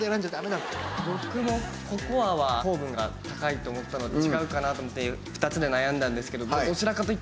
僕もココアは糖分が高いと思ったので違うかなと思って２つで悩んだんですけど。